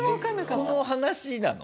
この話なの？